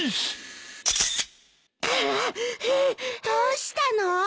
どうしたの？